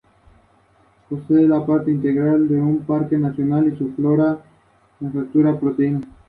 Sin embargo, actualmente es producida muy ocasionalmente.